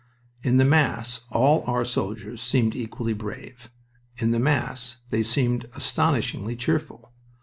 In the mass all our soldiers seemed equally brave. In the mass they seemed astoundingly cheerful.